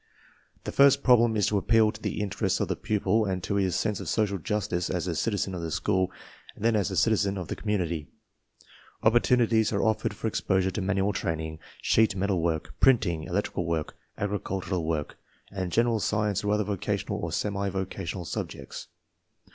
The first problem is to appeal to the interests""] of the pupil and to his sense of social justice as a citizen of the school and then as a citizen of the community. Opportunities are offered for exposure to manual train ing, sheet metal work, printing, electrical work, agri j cultural work, and general science or other vocational or semi vocational subjects.